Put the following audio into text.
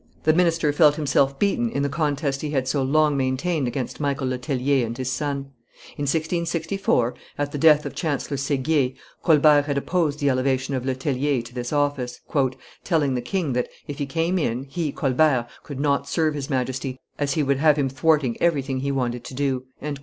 The minister felt himself beaten in the contest he had so long maintained against Michael Le Tellier and his son. In 1664, at the death of Chancellor Seguier, Colbert had opposed the elevation of Le Tellier to this office, "telling the king that, if he came in, he, Colbert, could not serve his Majesty, as he would have him thwarting everything he wanted to do."